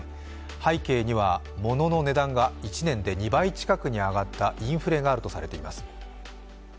背景にはものの値段が１年で２倍近く上がったインフレがあるとされています。